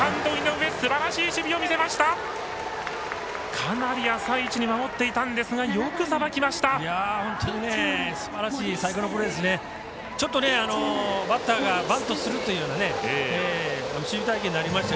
かなり浅い位置に守っていたんですがよくさばきました。